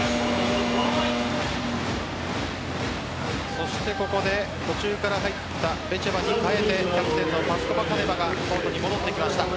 そしてここで途中から入ったベチェバに代えてキャプテンのパスコバカネバがコートに戻ってきました。